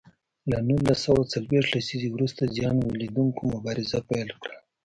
له نولس سوه څلویښت لسیزې وروسته زیان ولیدوونکو مبارزه پیل کړه.